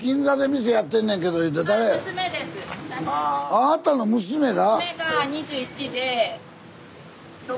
あなたの娘が？